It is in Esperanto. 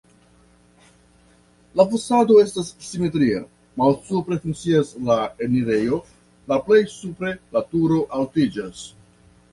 La fasado estas simetria, malsupre funkcias la enirejo, la plej supre la turo altiĝas.